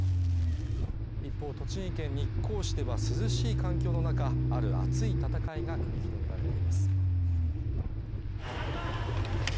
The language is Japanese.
一方栃木県日光市では涼しい環境の中、ある熱い戦いが繰り広げられています。